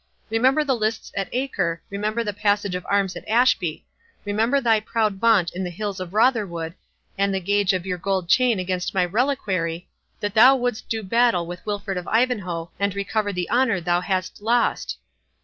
Remember the lists at Acre—remember the Passage of Arms at Ashby—remember thy proud vaunt in the halls of Rotherwood, and the gage of your gold chain against my reliquary, that thou wouldst do battle with Wilfred of Ivanhoe, and recover the honour thou hadst lost!